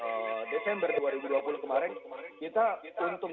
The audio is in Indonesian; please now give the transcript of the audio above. dan ini adalah sebenarnya buat dari kebijakan ekonomi amerika serikat juga selama pandemi